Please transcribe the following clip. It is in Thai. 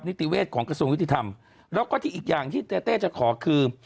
นิติเวศของกระทรวงยุติธรรมแล้วก็ที่อีกอย่างที่เต้เต้จะขอคือ